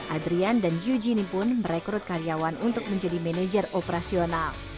adrian dan eugeenie pun merekrut karyawan untuk menjadi manajer operasional